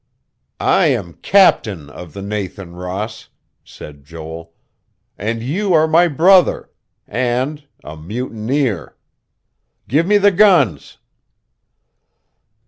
"I am captain of the Nathan Ross," said Joel. "And you are my brother, and a mutineer. Give me the guns."